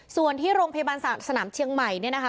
ส่วนที่โรงพยาบาลสนามเชียงใหม่เนี่ยนะคะ